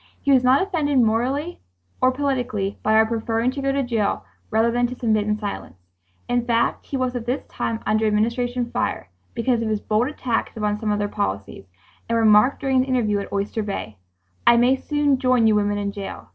He was not offended, morally or politically, by our preferring to go to jail rather than to submit in silence. In fact, he was at this time under Administration fire, because of his bold attacks upon some of their policies, and remarked during an interview at Oyster Bay: "I may soon join you women in jail.